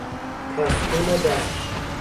تسکین درد